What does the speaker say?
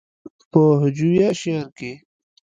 پۀ هجويه شعر کښې